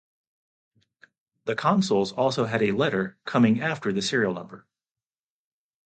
The consoles also had a letter coming after the serial number.